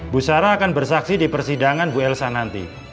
bu sarah akan bersaksi di persidangan bu elsa nanti